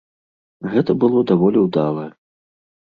Гэта было даволі ўдала.